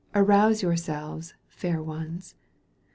Arouse yourselves, fair ones.